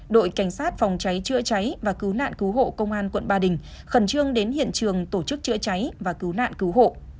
đội cảnh sát phòng cháy chữa cháy và cứu nạn cứu hộ công an quận ba đình khẩn trương đến hiện trường tổ chức chữa cháy và cứu nạn cứu hộ